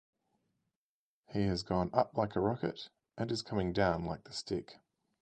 He has gone up like a rocket and is coming down like the stick.